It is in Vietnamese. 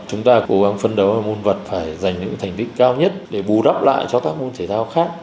chúng ta cố gắng phân đấu môn vật phải giành những thành tích cao nhất để bù đắp lại cho các môn thể thao khác